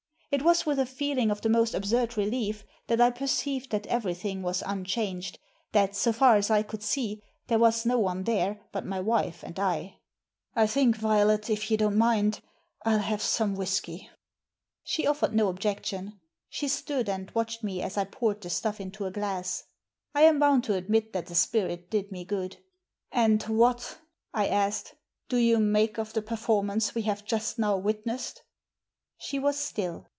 It was with a feeling of the most absurd relief that I perceived that every thing was unchanged, tliat, so far as I could see, there was no one there but my wife and I. " I think, Violet, if you don't mind, TU have some whisky." Digitized by VjOOQIC THE HOUSEBOAT 291 She ofTered no objection. She stood and watched me as I poured the stuff into a glass. I am bound to admit that the spirit did me good. "And what,'' I asked, "do you make of the per formance we have just now witnessed?" She was still.